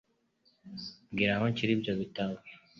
Mbwira aho nshyira ibyo bitabo.